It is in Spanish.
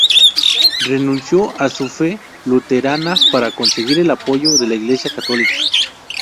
Renunció a su fe luterana para conseguir el apoyo de la Iglesia católica.